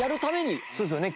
そうですよね。